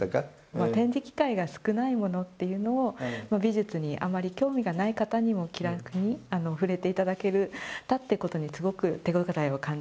展示機会が少ないものっていうのを美術にあまり興味がない方にも気楽に触れて頂けたってことにすごく手応えを感じてます。